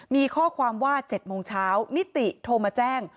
มีข้อความว่า๗โมงเช้านิติโทรมาแจ้ง